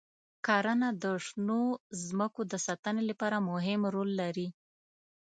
کرنه د شنو ځمکو د ساتنې لپاره مهم رول لري.